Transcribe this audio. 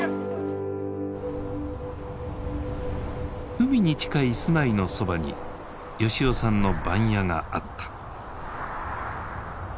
海に近い住まいのそばに吉男さんの番屋があった。